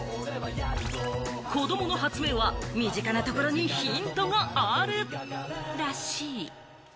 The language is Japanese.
子どもの発明は身近なところにヒントがあるらしい。